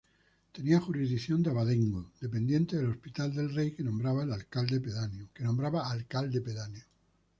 Tenía jurisdicción de abadengo dependiente del Hospital del Rey que nombraba alcalde pedáneo.